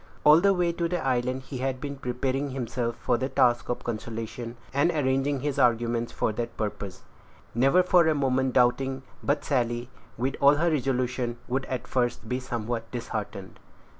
All the way to the island he had been preparing himself for the task of consolation, and arranging his arguments for that purpose, never for a moment doubting but Sally, with all her resolution, would at first be somewhat disheartened.